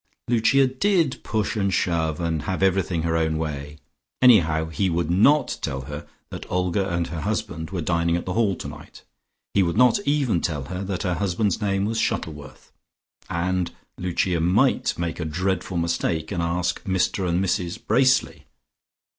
Lucia did push and shove, and have everything her own way. Anyhow he would not tell her that Olga and her husband were dining at The Hall tonight; he would not even tell her that her husband's name was Shuttleworth, and Lucia might make a dreadful mistake, and ask Mr and Mrs Bracely.